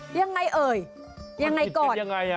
ยังไงเอ๋อยยังไงก่อน